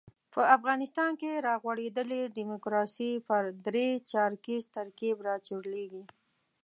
په افغانستان کې را غوړېدلې ډیموکراسي پر درې چارکیز ترکیب راچورلېږي.